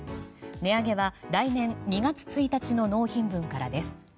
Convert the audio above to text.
値上げは来年２月１日の納品分からです。